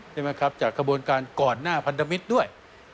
ใช่ไหมครับจากกระบวนการก่อนหน้าพันธมิตรด้วย